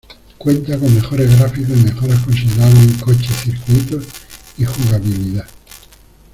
Cuenta con mejores gráficos y mejoras considerables en coches, circuitos y jugabilidad.